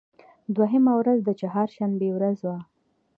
دوهمه ورځ د چهار شنبې ورځ وه.